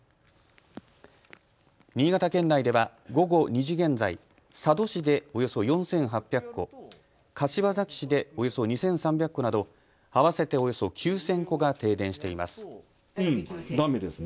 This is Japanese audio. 新潟県内では午後２時現在、佐渡市でおよそ４８００戸、柏崎市でおよそ２３００戸など合わせておよそ９０００戸が停電しています。